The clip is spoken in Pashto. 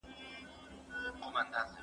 زه اوس ليکلي پاڼي ترتيب کوم؟!